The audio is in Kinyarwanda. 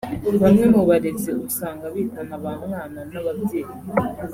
Bamwe mu barezi usanga bitana ba mwana n’ababyeyi